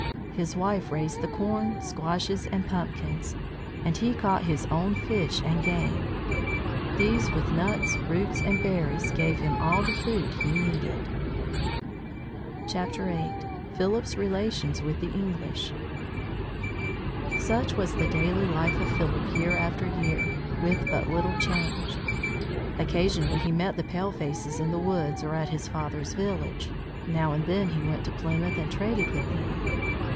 His wife raised the corn, squashes, and pumpkins, and he caught his own fish and game. These, with nuts, roots, and berries, gave him all the food he needed. VIII. PHILIP'S RELATIONS WITH THE ENGLISH Such was the daily life of Philip year after year, with but little change. Occasionally he met the palefaces in the woods or at his father's village. Now and then he went to Plymouth and traded with them.